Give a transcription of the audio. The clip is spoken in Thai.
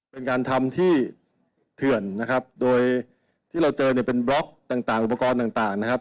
เป็นการทำที่เทื่อนโดยเจอเป็นบล็อกต่างอุปกรณ์